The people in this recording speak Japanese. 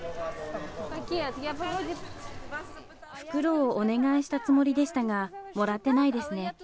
袋をお願いしたつもりでしたがないですね。